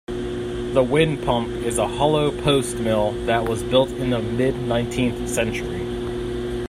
The windpump is a hollow post mill that was built in the mid-nineteenth century.